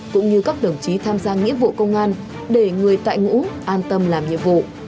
cũng như các đồng chí tham gia nghĩa vụ công an để người tại ngũ an tâm làm nhiệm vụ